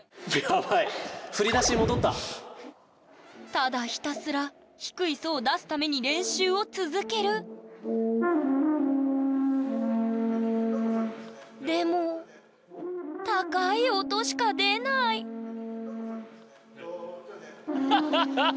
ただひたすら「低いソ」を出すために練習を続けるでも高い音しか出ないハハハハッ！